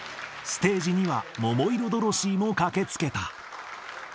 ステージには桃色ドロシーも駆けつけた。